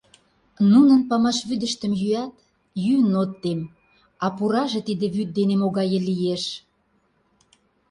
Нунын памаш вӱдыштым йӱат, йӱын от тем, а пураже тиде вӱд дене могае лиеш!